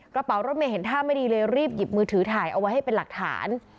กระเป๋ารถเมย์เห็นท่าไม่ดีเลยรีบหยิบมือถือถ่ายเอาไว้ให้เป็นหลักฐาน